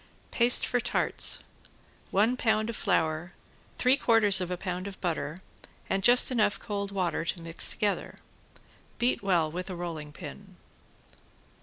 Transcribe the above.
~PASTE FOR TARTS~ One pound of flour, three quarters of a pound of butter and just enough cold water to mix together. Beat well with a rolling pin.